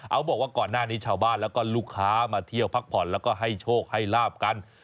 บอกว่าก่อนหน้านี้ชาวบ้านแล้วก็ลูกค้ามาเที่ยวพักผ่อนแล้วก็ให้โชคให้ลาบกัน